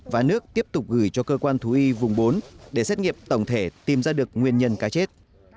và nước tiếp tục gửi cho cơ quan thú y vùng bốn để xét nghiệm tổng thể tìm ra được nguyên nhân cá chết